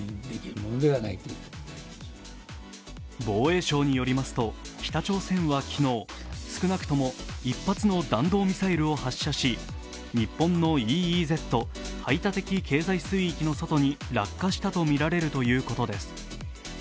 防衛省によりますと、北朝鮮は昨日、少なくとも１発の弾道ミサイルを発射し日本のＥＥＺ＝排他的経済水域の外に落下したとみられるということです。